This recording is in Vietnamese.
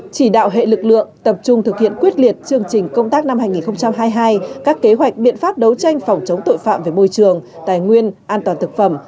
chỉ đạo hệ lực lượng tập trung thực hiện quyết liệt chương trình công tác năm hai nghìn hai mươi hai các kế hoạch biện pháp đấu tranh phòng chống tội phạm về môi trường tài nguyên an toàn thực phẩm